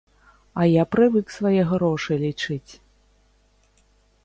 А я прывык свае грошы лічыць.